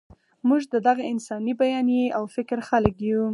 موږ د دغه انساني بیانیې او فکر خلک یو.